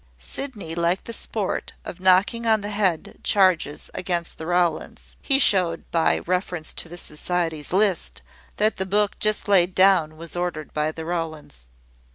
Sydney liked the sport of knocking on the head charges against the Rowlands. He showed, by a reference to the Society's list, that the book just laid down was ordered by the Rowlands.